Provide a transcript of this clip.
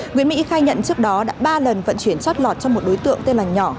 nguyễn mỹ khai nhận trước đó đã ba lần vận chuyển chót lọt cho một đối tượng tên là nhỏ